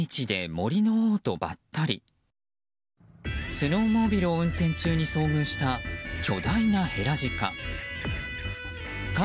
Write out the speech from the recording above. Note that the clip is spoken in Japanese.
スノーモービルを運転中に遭遇した巨大なヘラジカ。